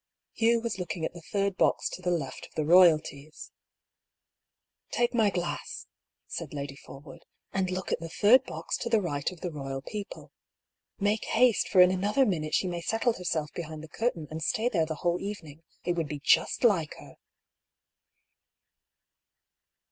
Hugh was looking at the third box to the left of the royalties. " Take my glass," said Lady Forwood, " and look at the third box to the right of the royal people. Make THE BEGINNING OF THE SEQUEL. 171 haste, for in another minute she may settle herself behind the curtain and stay there the whole evening. It would be just like her."